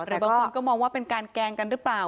บางคนก็มองว่าเป็นการแกล้งกันหรือเปล่า